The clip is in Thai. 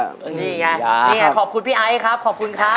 อันนี้แง่อย่างเงี้ยขอบคุณพี่ไอ้ค่ะขอบคุณครับ